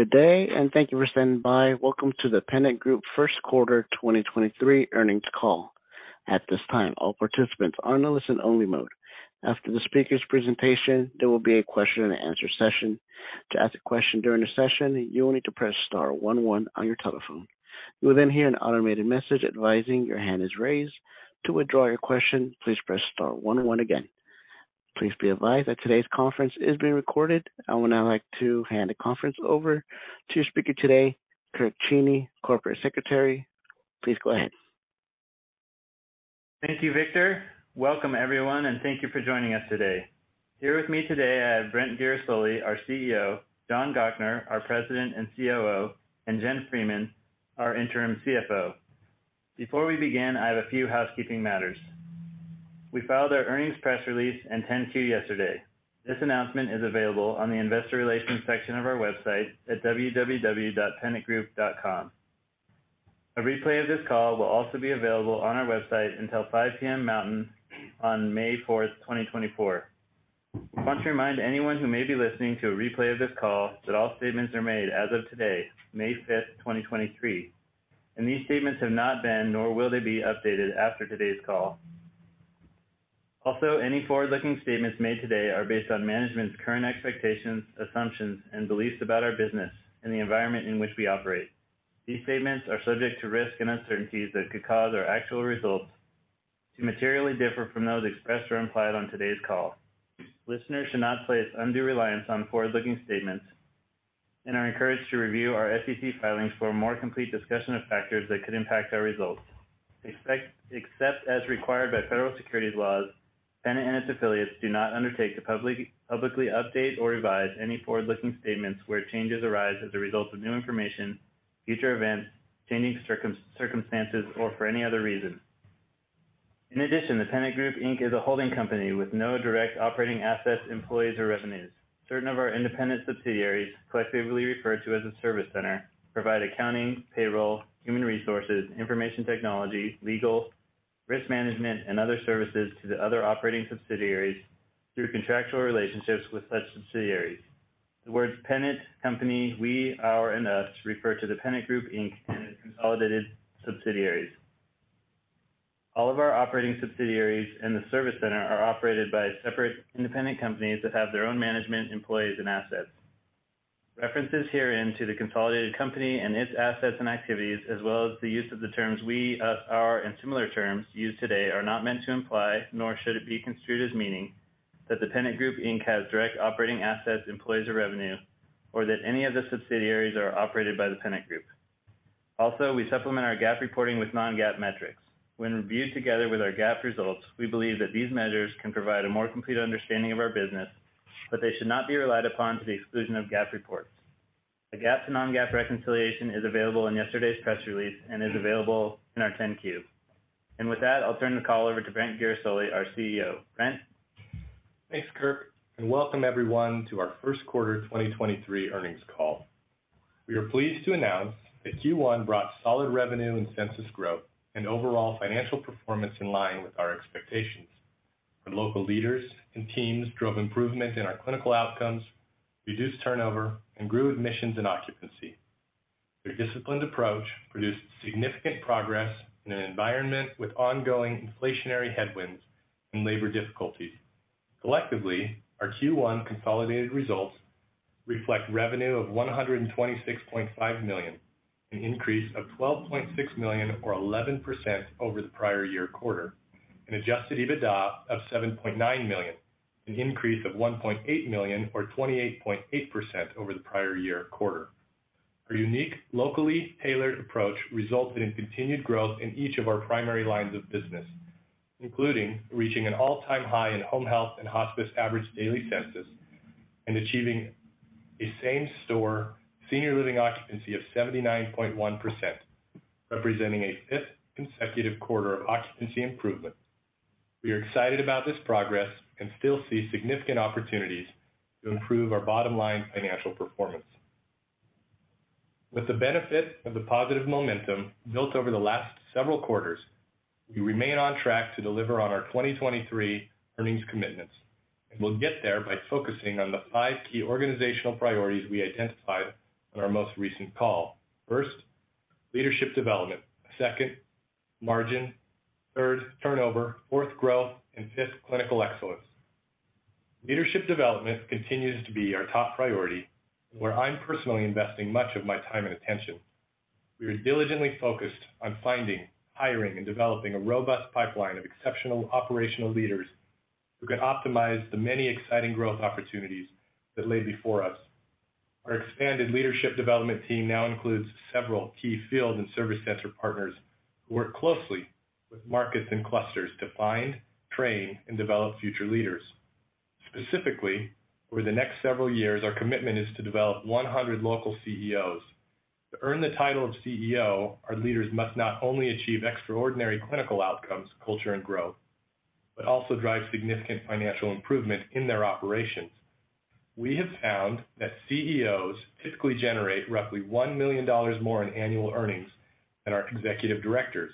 Good day, and thank you for standing by. Welcome to The Pennant Group first quarter 2023 earnings call. At this time, all participants are in a listen only mode. After the speaker's presentation, there will be a question and answer session. To ask a question during the session, you will need to press star one one on your telephone. You will then hear an automated message advising your hand is raised. To withdraw your question, please press star one one again. Please be advised that today's conference is being recorded. I would now like to hand the conference over to your speaker today, Kirk Cheney, Corporate Secretary. Please go ahead. Thank you, Victor. Welcome everyone, and thank you for joining us today. Here with me today I have Brent Guerisoli, our CEO, John Gochnour, our President and COO, and Jen Freeman, our interim CFO. Before we begin, I have a few housekeeping matters. We filed our earnings press release and 10-Q yesterday. This announcement is available on the investor relations section of our website at www.pennantgroup.com. A replay of this call will also be available on our website until 5:00 P.M. Mountain on May 4, 2024. I want to remind anyone who may be listening to a replay of this call that all statements are made as of today, May 5, 2023, and these statements have not been nor will they be updated after today's call. Also, any forward-looking statements made today are based on management's current expectations, assumptions, and beliefs about our business and the environment in which we operate. These statements are subject to risks and uncertainties that could cause our actual results to materially differ from those expressed or implied on today's call. Listeners should not place undue reliance on forward-looking statements and are encouraged to review our SEC filings for a more complete discussion of factors that could impact our results. Except as required by federal securities laws, Pennant and its affiliates do not undertake to publicly update or revise any forward-looking statements where changes arise as a result of new information, future events, changing circumstances, or for any other reason. In addition, The Pennant Group, Inc. is a holding company with no direct operating assets, employees, or revenues. Certain of our independent subsidiaries, collectively referred to as a service center, provide accounting, payroll, human resources, information technology, legal, risk management, and other services to the other operating subsidiaries through contractual relationships with such subsidiaries. The words Pennant company, we, our, and us refer to The Pennant Group, Inc. and its consolidated subsidiaries. All of our operating subsidiaries and the service center are operated by separate independent companies that have their own management, employees, and assets. References herein to the consolidated company and its assets and activities, as well as the use of the terms we, us, our, and similar terms used today are not meant to imply, nor should it be construed as meaning that The Pennant Group, Inc. has direct operating assets, employees, or revenue, or that any of the subsidiaries are operated by The Pennant Group. Also, we supplement our GAAP reporting with non-GAAP metrics. When reviewed together with our GAAP results, we believe that these measures can provide a more complete understanding of our business. They should not be relied upon to the exclusion of GAAP reports. A GAAP to non-GAAP reconciliation is available in yesterday's press release and is available in our 10-Q. With that, I'll turn the call over to Brent Guerisoli, our CEO. Brent. Thanks, Kirk, and welcome everyone to our first quarter 2023 earnings call. We are pleased to announce that Q1 brought solid revenue and census growth and overall financial performance in line with our expectations. Our local leaders and teams drove improvement in our clinical outcomes, reduced turnover, and grew admissions and occupancy. Their disciplined approach produced significant progress in an environment with ongoing inflationary headwinds and labor difficulties. Collectively, our Q1 consolidated results reflect revenue of $126.5 million, an increase of $12.6 million or 11% over the prior year quarter, and adjusted EBITDA of $7.9 million, an increase of $1.8 million or 28.8% over the prior year quarter. Our unique, locally tailored approach resulted in continued growth in each of our primary lines of business, including reaching an all-time high in home health and hospice average daily census and achieving a same store senior living occupancy of 79.1%, representing a fifth consecutive quarter of occupancy improvement. We are excited about this progress and still see significant opportunities to improve our bottom line financial performance. With the benefit of the positive momentum built over the last several quarters, we remain on track to deliver on our 2023 earnings commitments. We'll get there by focusing on the five key organizational priorities we identified on our most recent call. First, leadership development. Second, margin, third, turnover, fourth, growth, and fifth, clinical excellence. Leadership development continues to be our top priority, where I'm personally investing much of my time and attention. We are diligently focused on finding, hiring, and developing a robust pipeline of exceptional operational leaders who can optimize the many exciting growth opportunities that lay before us. Our expanded leadership development team now includes several key field and service center partners who work closely with markets and clusters to find, train, and develop future leaders. Specifically, over the next several years, our commitment is to develop 100 local CEOs. To earn the title of CEO, our leaders must not only achieve extraordinary clinical outcomes, culture, and growth, but also drive significant financial improvement in their operations. We have found that CEOs typically generate roughly $1 million more in annual earnings than our executive directors,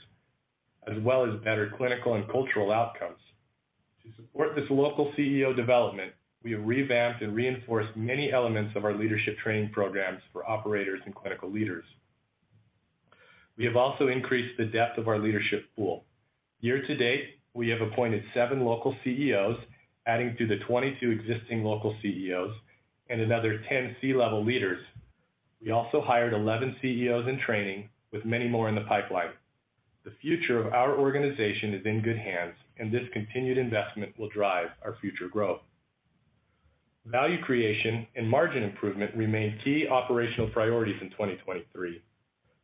as well as better clinical and cultural outcomes. To support this local CEO development, we have revamped and reinforced many elements of our leadership training programs for operators and clinical leaders. We have also increased the depth of our leadership pool. Year to date, we have appointed 7 local CEOs, adding to the 22 existing local CEOs and another 10 C-level leaders. We also hired 11 CEOs in training with many more in the pipeline. The future of our organization is in good hands. This continued investment will drive our future growth. Value creation and margin improvement remain key operational priorities in 2023.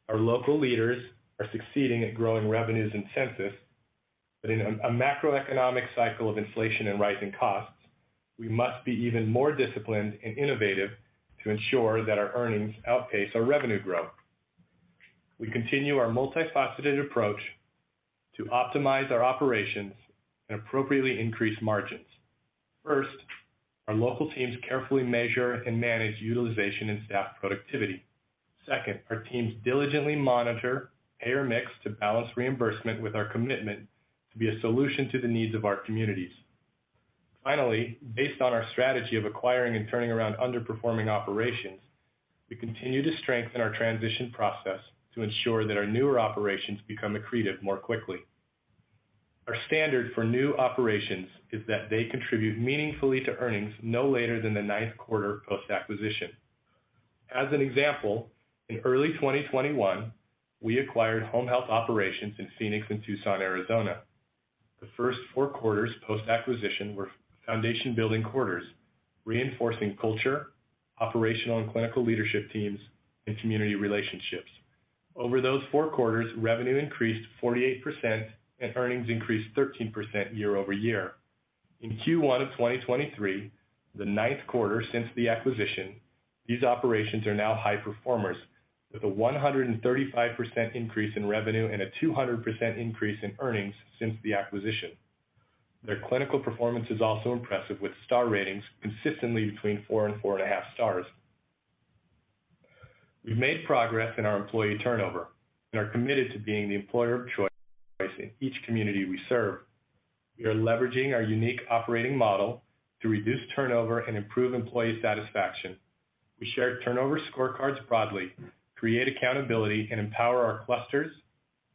Our local leaders are succeeding at growing revenues and census. In a macroeconomic cycle of inflation and rising costs, we must be even more disciplined and innovative to ensure that our earnings outpace our revenue growth. We continue our multifaceted approach to optimize our operations and appropriately increase margins. First, our local teams carefully measure and manage utilization and staff productivity. Second, our teams diligently monitor payer mix to balance reimbursement with our commitment to be a solution to the needs of our communities. Based on our strategy of acquiring and turning around underperforming operations, we continue to strengthen our transition process to ensure that our newer operations become accretive more quickly. Our standard for new operations is that they contribute meaningfully to earnings no later than the ninth quarter post-acquisition. As an example, in early 2021, we acquired home health operations in Phoenix and Tucson, Arizona. The first four quarters post-acquisition were foundation building quarters, reinforcing culture, operational and clinical leadership teams, and community relationships. Over those four quarters, revenue increased 48% and earnings increased 13% year-over-year. In Q1 of 2023, the ninth quarter since the acquisition, these operations are now high performers with a 135% increase in revenue and a 200% increase in earnings since the acquisition. Their clinical performance is also impressive, with star ratings consistently between 4 and 4.5 stars. We've made progress in our employee turnover and are committed to being the employer of choice in each community we serve. We are leveraging our unique operating model to reduce turnover and improve employee satisfaction. We share turnover scorecards broadly, create accountability, and empower our clusters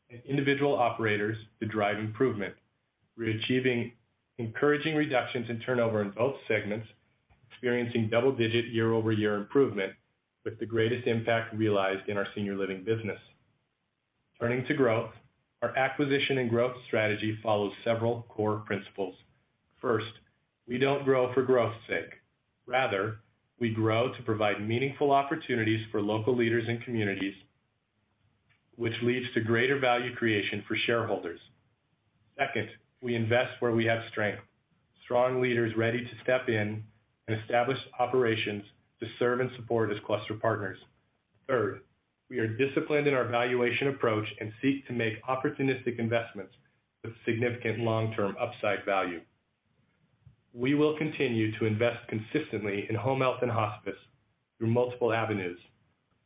and individual operators to drive improvement. We're achieving encouraging reductions in turnover in both segments, experiencing double-digit year-over-year improvement with the greatest impact realized in our senior living business. Turning to growth. Our acquisition and growth strategy follows several core principles. First, we don't grow for growth's sake. Rather, we grow to provide meaningful opportunities for local leaders and communities, which leads to greater value creation for shareholders. Second, we invest where we have strength. Strong leaders ready to step in and establish operations to serve and support as cluster partners. Third, we are disciplined in our valuation approach and seek to make opportunistic investments with significant long-term upside value. We will continue to invest consistently in home health and hospice through multiple avenues.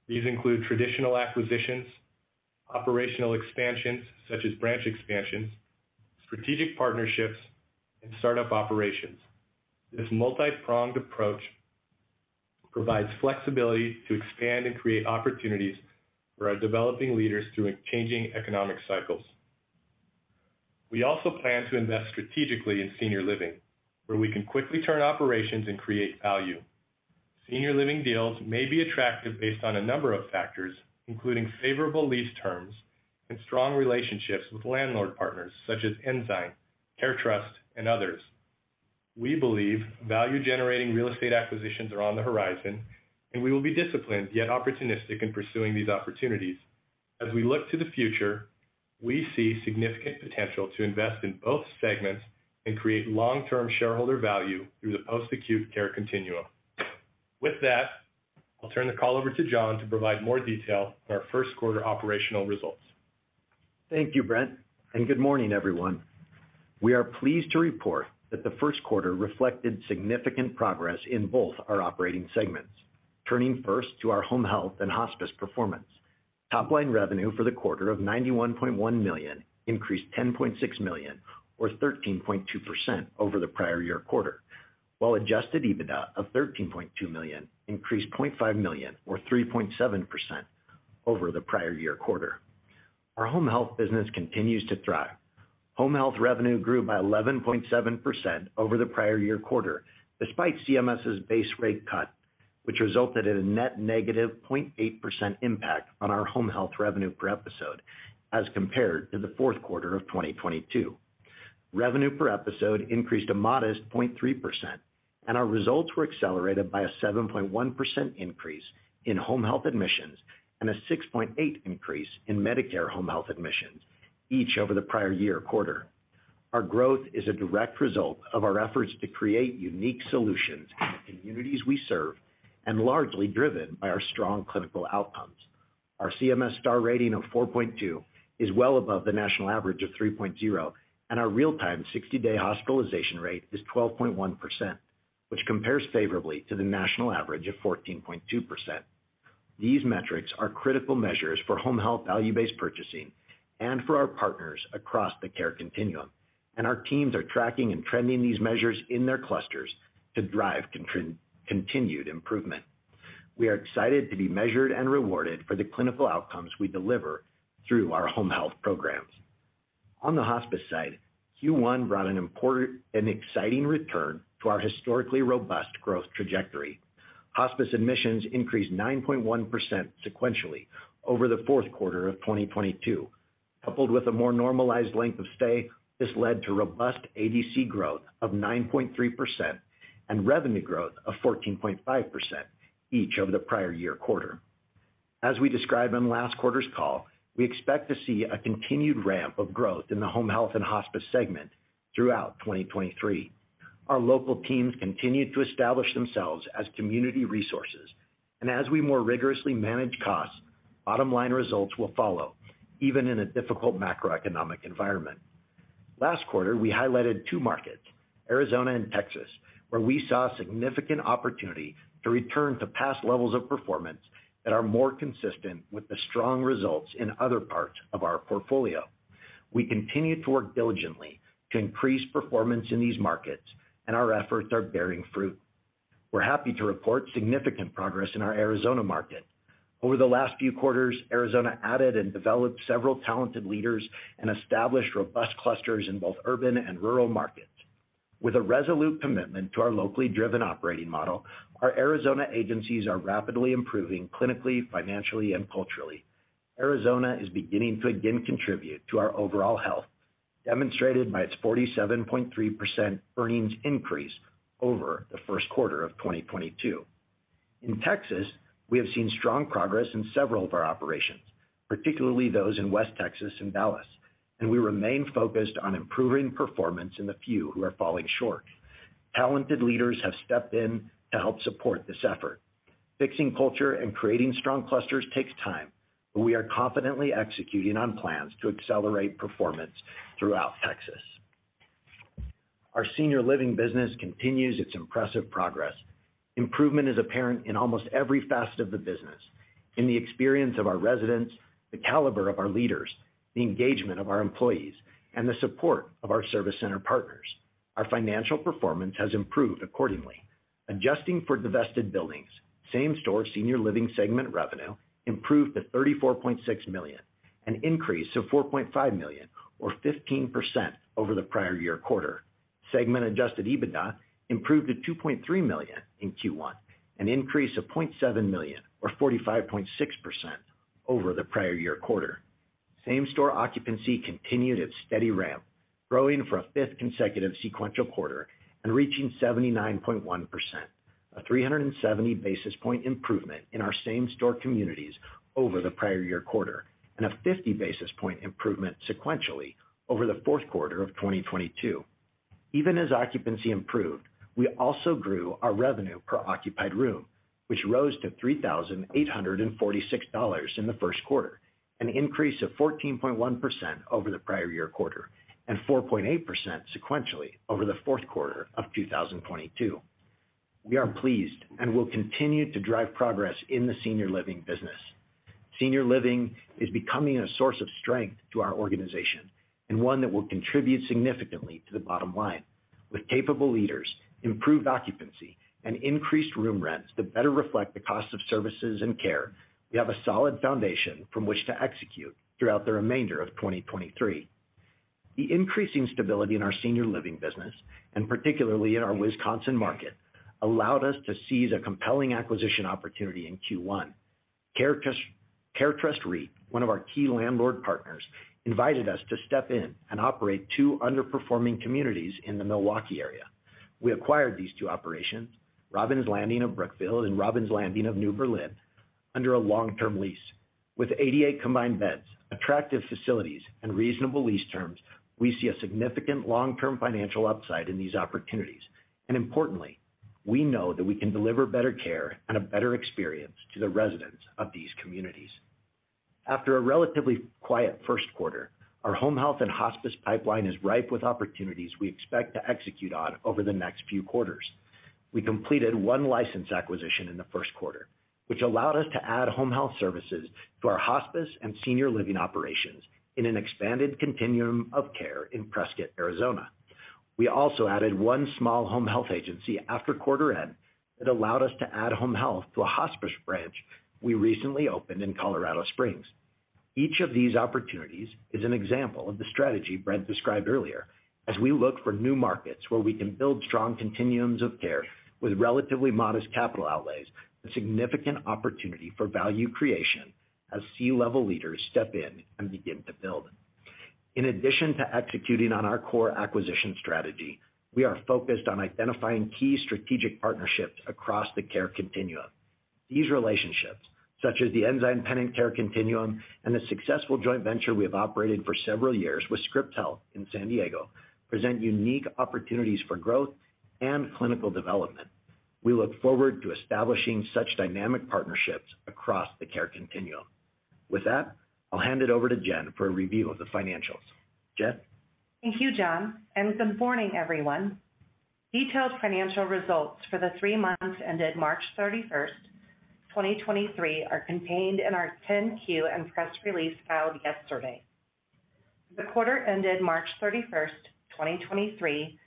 These include traditional acquisitions, operational expansions such as branch expansions, strategic partnerships, and startup operations. This multi-pronged approach provides flexibility to expand and create opportunities for our developing leaders through changing economic cycles. We also plan to invest strategically in senior living, where we can quickly turn operations and create value. Senior living deals may be attractive based on a number of factors, including favorable lease terms and strong relationships with landlord partners such as Ensign, CareTrust, and others. We believe value-generating real estate acquisitions are on the horizon, and we will be disciplined yet opportunistic in pursuing these opportunities. As we look to the future, we see significant potential to invest in both segments and create long-term shareholder value through the post-acute care continuum. With that, I'll turn the call over to John to provide more detail on our first quarter operational results. Thank you, Brent. Good morning, everyone. We are pleased to report that the first quarter reflected significant progress in both our operating segments. Turning first to our home health and hospice performance. Top-line revenue for the quarter of $91.1 million increased $10.6 million or 13.2% over the prior year quarter, while adjusted EBITDA of $13.2 million increased $0.5 million or 3.7% over the prior year quarter. Our home health business continues to thrive. Home health revenue grew by 11.7% over the prior year quarter, despite CMS's base rate cut, which resulted in a net negative 0.8% impact on our home health revenue per episode as compared to the fourth quarter of 2022. Revenue per episode increased a modest 0.3%. Our results were accelerated by a 7.1% increase in home health admissions and a 6.8% increase in Medicare home health admissions, each over the prior-year quarter. Our growth is a direct result of our efforts to create unique solutions in the communities we serve and largely driven by our strong clinical outcomes. Our CMS star rating of 4.2 is well above the national average of 3.0. Our real-time 60-day hospitalization rate is 12.1%, which compares favorably to the national average of 14.2%. These metrics are critical measures for home health value-based purchasing and for our partners across the care continuum. Our teams are tracking and trending these measures in their clusters to drive continued improvement. We are excited to be measured and rewarded for the clinical outcomes we deliver through our home health programs. On the hospice side, Q1 brought an important and exciting return to our historically robust growth trajectory. Hospice admissions increased 9.1% sequentially over the fourth quarter of 2022. Coupled with a more normalized length of stay, this led to robust ADC growth of 9.3% and revenue growth of 14.5%, each over the prior year quarter. As we described on last quarter's call, we expect to see a continued ramp of growth in the home health and hospice segment throughout 2023. Our local teams continued to establish themselves as community resources. As we more rigorously manage costs, bottom-line results will follow, even in a difficult macroeconomic environment. Last quarter, we highlighted two markets, Arizona and Texas, where we saw significant opportunity to return to past levels of performance that are more consistent with the strong results in other parts of our portfolio. We continue to work diligently to increase performance in these markets. Our efforts are bearing fruit. We're happy to report significant progress in our Arizona market. Over the last few quarters, Arizona added and developed several talented leaders and established robust clusters in both urban and rural markets. With a resolute commitment to our locally driven operating model, our Arizona agencies are rapidly improving clinically, financially, and culturally. Arizona is beginning to again contribute to our overall health, demonstrated by its 47.3% earnings increase over the first quarter of 2022. In Texas, we have seen strong progress in several of our operations, particularly those in West Texas and Dallas, and we remain focused on improving performance in the few who are falling short. Talented leaders have stepped in to help support this effort. Fixing culture and creating strong clusters takes time, but we are confidently executing on plans to accelerate performance throughout Texas. Our senior living business continues its impressive progress. Improvement is apparent in almost every facet of the business. In the experience of our residents, the caliber of our leaders, the engagement of our employees, and the support of our service center partners. Our financial performance has improved accordingly. Adjusting for divested buildings, same store senior living segment revenue improved to $34.6 million, an increase of $4.5 million or 15% over the prior year quarter. Segment adjusted EBITDA improved to $2.3 million in Q1, an increase of $0.7 million or 45.6% over the prior year quarter. Same store occupancy continued its steady ramp, growing for a fifth consecutive sequential quarter and reaching 79.1%, a 370 basis point improvement in our same store communities over the prior year quarter, and a 50 basis point improvement sequentially over the fourth quarter of 2022. Even as occupancy improved, we also grew our revenue per occupied room, which rose to $3,846 in the first quarter, an increase of 14.1% over the prior year quarter and 4.8% sequentially over the fourth quarter of 2022. We are pleased and will continue to drive progress in the senior living business. Senior living is becoming a source of strength to our organization and one that will contribute significantly to the bottom line. With capable leaders, improved occupancy, and increased room rents that better reflect the cost of services and care, we have a solid foundation from which to execute throughout the remainder of 2023. The increasing stability in our senior living business, and particularly in our Wisconsin market, allowed us to seize a compelling acquisition opportunity in Q1. CareTrust REIT, one of our key landlord partners, invited us to step in and operate two underperforming communities in the Milwaukee area. We acquired these two operations, Robins Landing at Brookfield and Robins Landing at New Berlin, under a long-term lease. With 88 combined beds, attractive facilities, and reasonable lease terms, we see a significant long-term financial upside in these opportunities. Importantly, we know that we can deliver better care and a better experience to the residents of these communities. After a relatively quiet first quarter, our home health and hospice pipeline is ripe with opportunities we expect to execute on over the next few quarters. We completed 1 license acquisition in the first quarter, which allowed us to add home health services to our hospice and senior living operations in an expanded continuum of care in Prescott, Arizona. We also added 1 small home health agency after quarter end that allowed us to add home health to a hospice branch we recently opened in Colorado Springs. Each of these opportunities is an example of the strategy Brent described earlier as we look for new markets where we can build strong continuums of care with relatively modest capital outlays, a significant opportunity for value creation as C-level leaders step in and begin to build. In addition to executing on our core acquisition strategy, we are focused on identifying key strategic partnerships across the care continuum. These relationships, such as the Ensign Pennant Care Continuum and the successful joint venture we have operated for several years with Scripps Health in San Diego, present unique opportunities for growth and clinical development. We look forward to establishing such dynamic partnerships across the care continuum. With that, I'll hand it over to Jen for a review of the financials. Jen? Thank you, John. Good morning, everyone. Detailed financial results for the 3 months ended March 31st, 2023, are contained in our 10-Q and press release filed yesterday. The quarter ended March 31st, 2023,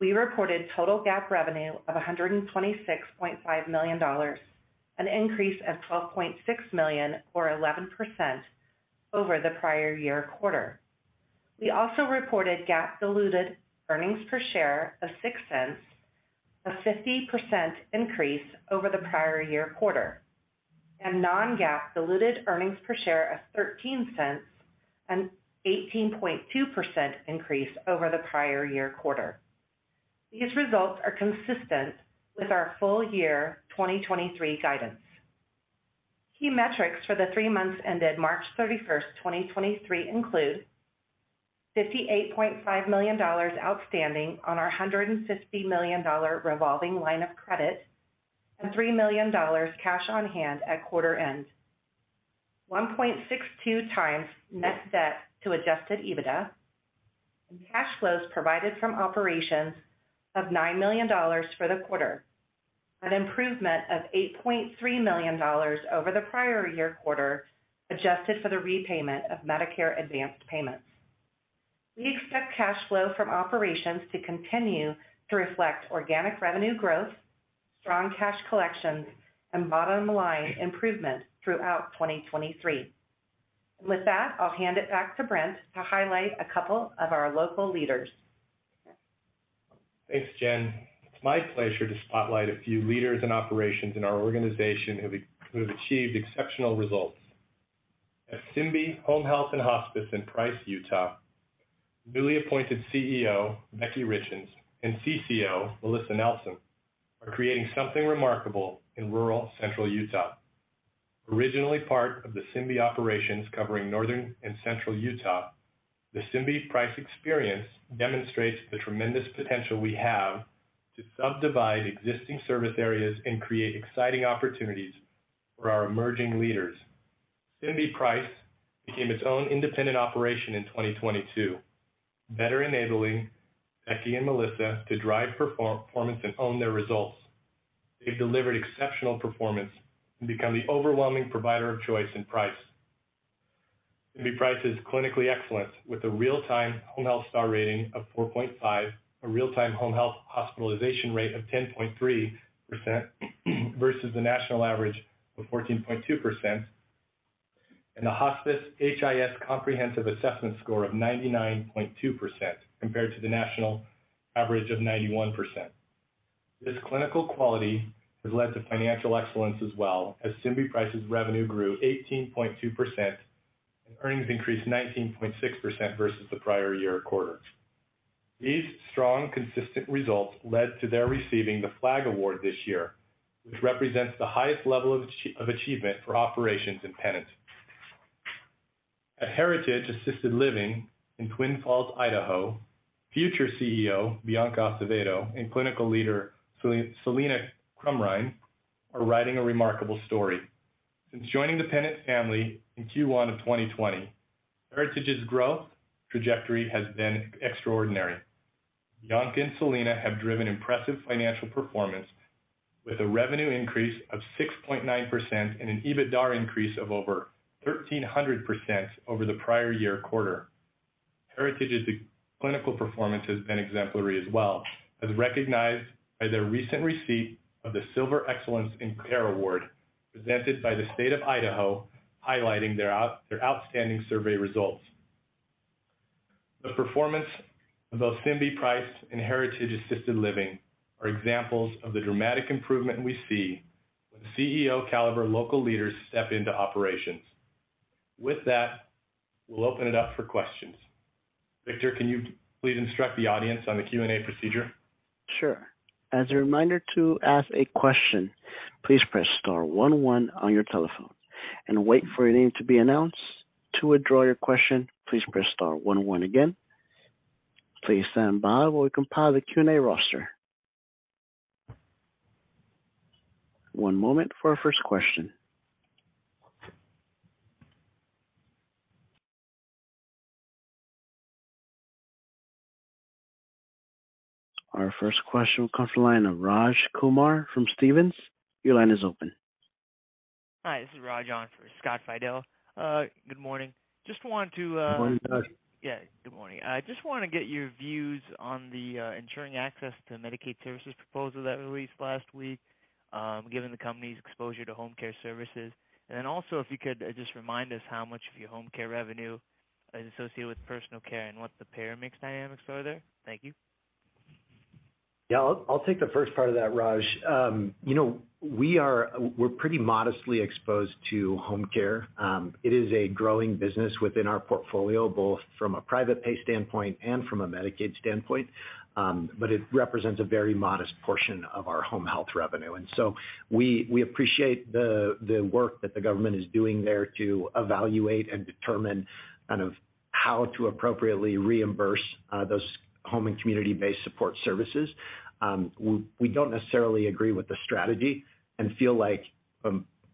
we reported total GAAP revenue of $126.5 million, an increase of $12.6 million or 11% over the prior year quarter. We also reported GAAP diluted earnings per share of $0.06, a 50% increase over the prior year quarter, and non-GAAP diluted earnings per share of $0.13, an 18.2% increase over the prior year quarter. These results are consistent with our full year 2023 guidance. Key metrics for the three months ended March 31st, 2023, include $58.5 million outstanding on our $150 million revolving line of credit and $3 million cash on hand at quarter end. 1.62 times net debt to adjusted EBITDA and cash flows provided from operations of $9 million for the quarter, an improvement of $8.3 million over the prior year quarter, adjusted for the repayment of Medicare advance payments. We expect cash flow from operations to continue to reflect organic revenue growth, strong cash collections, and bottom line improvement throughout 2023. With that, I'll hand it back to Brent to highlight a couple of our local leaders. Thanks, Jen. It's my pleasure to spotlight a few leaders in operations in our organization who have achieved exceptional results. At Symbii Home Health & Hospice in Price, Utah, newly appointed CEO, Becky Richens, and CCO, Melissa Nelson, are creating something remarkable in rural central Utah. Originally part of the Symbii operations covering northern and central Utah, the Symbii Price experience demonstrates the tremendous potential we have to subdivide existing service areas and create exciting opportunities for our emerging leaders. Symbii Price became its own independent operation in 2022, better enabling Becky and Melissa to drive performance and own their results. They've delivered exceptional performance and become the overwhelming provider of choice in Price. Symbii Price is clinically excellent with a real-time home health star rating of 4.5, a real-time home health hospitalization rate of 10.3% versus the national average of 14.2%, and a hospice HIS comprehensive assessment score of 99.2% compared to the national average of 91%. This clinical quality has led to financial excellence as well, as Symbii Price's revenue grew 18.2%, and earnings increased 19.6% versus the prior year quarter. These strong, consistent results led to their receiving the Pennant Flag Award this year, which represents the highest level of achievement for operations in The Pennant Group. At Heritage Assisted Living of Twin Falls, future CEO, Bianca Acevedo, and Clinical Leader, Celina Crumrine, are writing a remarkable story. Since joining The Pennant Group family in Q1 of 2020, Heritage's growth trajectory has been extraordinary. Bianca and Celina have driven impressive financial performance with a revenue increase of 6.9% and an EBITDAR increase of over 1,300% over the prior year quarter. Heritage's clinical performance has been exemplary as well, as recognized by their recent receipt of the Silver Excellence in Care Award, presented by the State of Idaho, highlighting their outstanding survey results. The performance of both Symbii Price and Heritage Assisted Living are examples of the dramatic improvement we see when CEO caliber local leaders step into operations. With that, we'll open it up for questions. Victor, can you please instruct the audience on the Q&A procedure? Sure. As a reminder to ask a question, please press star one one on your telephone and wait for your name to be announced. To withdraw your question, please press star one one again. Please stand by while we compile the Q&A roster. One moment for our first question. Our first question comes from the line of Raj Kumar from Stephens. Your line is open. Hi, this is Raj on for Scott Fidel. Good morning. Just want to, Good morning, Raj. Yeah, good morning. I just wanna get your views on the Ensuring Access to Medicaid Services proposal that released last week, given the company's exposure to home care services. Then also, if you could, just remind us how much of your home care revenue is associated with personal care and what the payer mix dynamics are there. Thank you. Yeah, I'll take the first part of that, Raj Kumar. you know, we're pretty modestly exposed to home care. It is a growing business within our portfolio, both from a private pay standpoint and from a Medicaid standpoint. but it represents a very modest portion of our home health revenue. we appreciate the work that the government is doing there to evaluate and determine kind of How to appropriately reimburse, those home and community based support services. We don't necessarily agree with the strategy and feel like,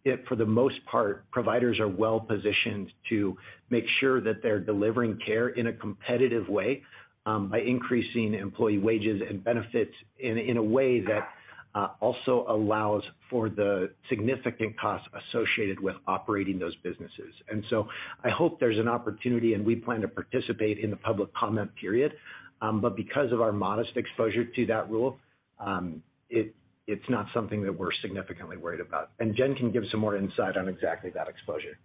it for the most part, providers are well-positioned to make sure that they're delivering care in a competitive way, by increasing employee wages and benefits in a way that also allows for the significant costs associated with operating those businesses. I hope there's an opportunity, and we plan to participate in the public comment period. But because of our modest exposure to that rule, it's not something that we're significantly worried about. Jen can give some more insight on exactly that exposure.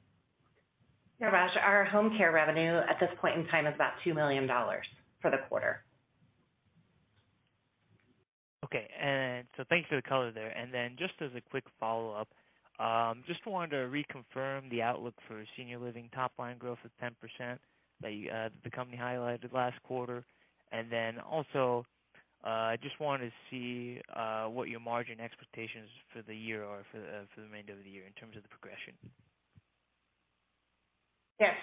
Yeah, Raj, our home care revenue at this point in time is about $2 million for the quarter. Okay. Thanks for the color there. Just as a quick follow-up, wanted to reconfirm the outlook for senior living top line growth of 10% that you, the company highlighted last quarter. Also, I just wanted to see what your margin expectations for the year are for the remainder of the year in terms of the progression. Yes.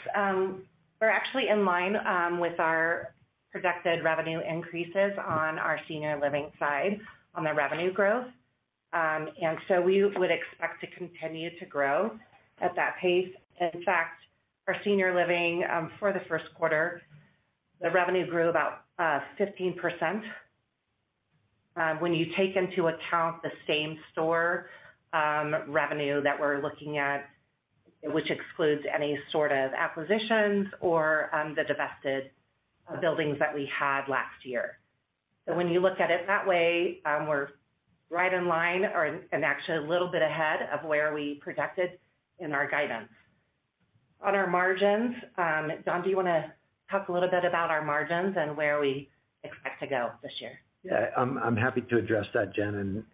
We're actually in line with our projected revenue increases on our senior living side on the revenue growth. We would expect to continue to grow at that pace. In fact, our senior living for the first quarter, the revenue grew about 15%. When you take into account the same store revenue that we're looking at, which excludes any sort of acquisitions or the divested buildings that we had last year. When you look at it that way, we're right in line or, and actually a little bit ahead of where we projected in our guidance. On our margins, Don, do you wanna talk a little bit about our margins and where we expect to go this year? Yeah, I'm happy to address that, Jen.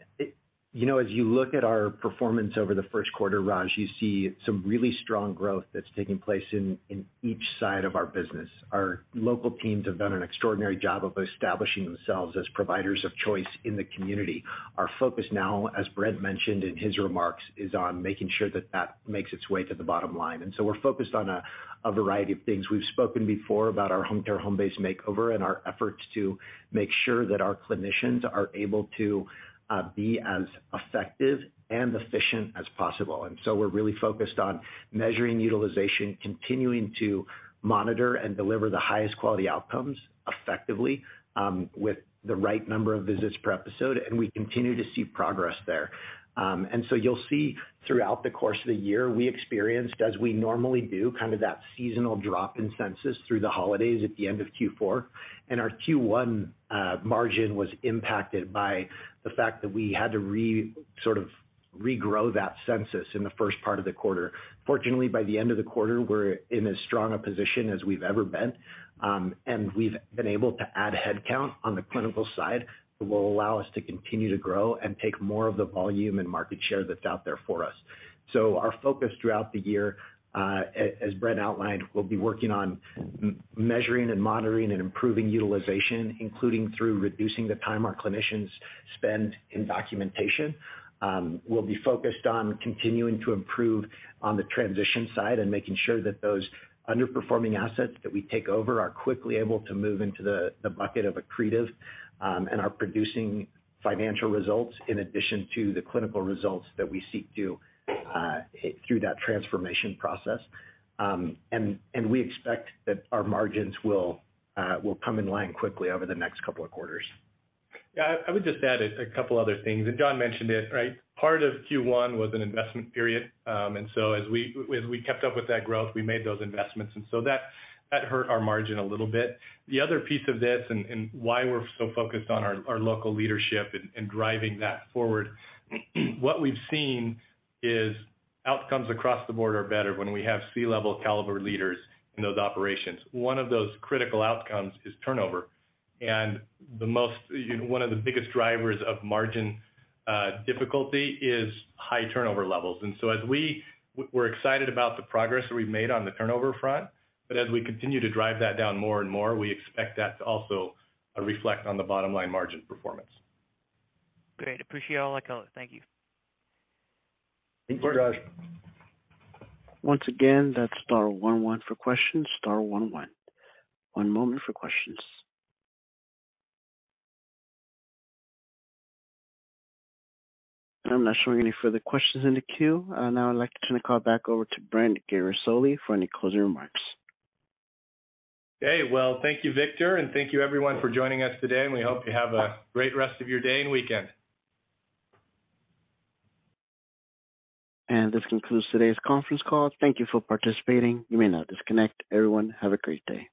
You know, as you look at our performance over the first quarter, Raj, you see some really strong growth that's taking place in each side of our business. Our local teams have done an extraordinary job of establishing themselves as providers of choice in the community. Our focus now, as Brent mentioned in his remarks, is on making sure that that makes its way to the bottom line. We're focused on a variety of things. We've spoken before about our home care Homecare Homebase makeover and our efforts to make sure that our clinicians are able to be as effective and efficient as possible. We're really focused on measuring utilization, continuing to monitor and deliver the highest quality outcomes effectively, with the right number of visits per episode, and we continue to see progress there. You'll see throughout the course of the year, we experienced, as we normally do, kind of that seasonal drop in census through the holidays at the end of Q4. Our Q1 margin was impacted by the fact that we had to regrow that census in the first part of the quarter. Fortunately, by the end of the quarter, we're in as strong a position as we've ever been, and we've been able to add headcount on the clinical side, that will allow us to continue to grow and take more of the volume and market share that's out there for us. Our focus throughout the year, as Brett outlined, will be working on measuring and monitoring and improving utilization, including through reducing the time our clinicians spend in documentation. We'll be focused on continuing to improve on the transition side and making sure that those underperforming assets that we take over are quickly able to move into the bucket of accretive, and are producing financial results in addition to the clinical results that we seek to through that transformation process. We expect that our margins will come in line quickly over the next 2 quarters. Yeah, I would just add a couple other things, and John mentioned it, right? Part of Q1 was an investment period. As we kept up with that growth, we made those investments, and so that hurt our margin a little bit. The other piece of this and why we're so focused on our local leadership and driving that forward, what we've seen is outcomes across the board are better when we have C-level caliber leaders in those operations. 1 of those critical outcomes is turnover. The most, you know, 1 of the biggest drivers of margin difficulty is high turnover levels. As we're excited about the progress that we've made on the turnover front, but as we continue to drive that down more and more, we expect that to also reflect on the bottom line margin performance. Great. Appreciate all the color. Thank you. Thank you, Raj. Of course. Once again, that's star 11 for questions, star 11. One moment for questions. I'm not showing any further questions in the queue. Now I'd like to turn the call back over to Brent Guerisoli for any closing remarks. Okay. Well, thank you, Victor. Thank you everyone for joining us today. We hope you have a great rest of your day and weekend. This concludes today's conference call. Thank you for participating. You may now disconnect. Everyone, have a great day.